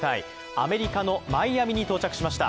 アメリカのマイアミに到着しました。